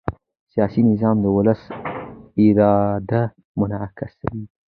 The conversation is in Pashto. سیاسي نظام د ولس اراده منعکسوي